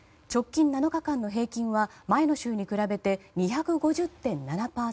直近７日間の平均は前の週に比べて２５０．７％。